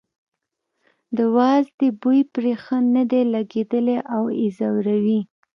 د وازدې بوی پرې ښه نه دی لګېدلی او یې ځوروي.